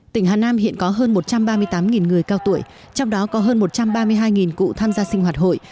tỉnh hà nam hiện có hơn một trăm ba mươi tám người cao tuổi trong đó có hơn một trăm ba mươi hai cụ tham gia sinh hoạt hội